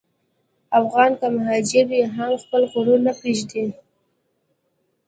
افغان که مهاجر وي، هم خپل غرور نه پرېږدي.